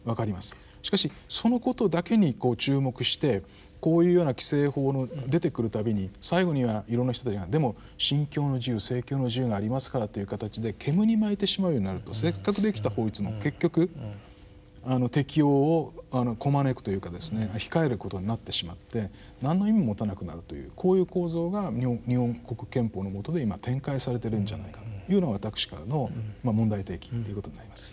しかしそのことだけに注目してこういうような規制法の出てくる度に最後にはいろんな人たちが「でも『信教の自由』政教の自由がありますから」という形で煙に巻いてしまうようになるとせっかくできた法律も結局適用をこまねくというかですね控えることになってしまって何の意味も持たなくなるというこういう構造が日本国憲法のもとで今展開されてるんじゃないかというのが私からの問題提起ということになります。